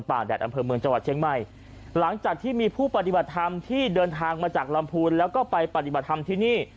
แดดอำเภอเมืองจังหวัดเชียงใหม่หลังจากที่มีผู้ปฏิบัติธรรมที่เดินทางมาจากลำพูนแล้วก็ไปปฏิบัติธรรมที่นี่